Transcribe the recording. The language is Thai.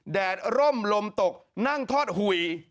แดดร่มลมตกนั่งทอดหุย